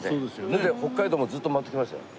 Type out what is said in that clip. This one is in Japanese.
それで北海道もずっと回ってきましたよ。